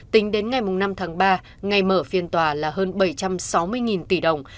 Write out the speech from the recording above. tính đến ngày năm tháng ba ngày mở phiên tòa là hơn bảy trăm sáu mươi tỷ đồng